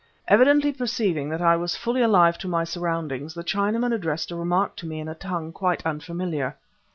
Evidently perceiving that I was fully alive to my surroundings, the Chinaman addressed a remark to me in a tongue quite unfamiliar.